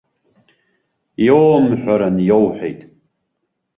Иоумҳәаран иоуҳәеит.